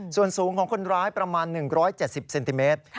ส่วนสูงของคนร้ายประมาณ๑๗๐เซนติเมตร